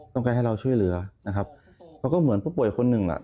ต้องการให้เราช่วยเหลือนะครับเขาก็เหมือนผู้ป่วยคนหนึ่งแหละ